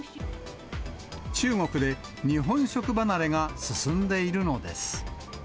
中国で日本食離れが進んでいるのです。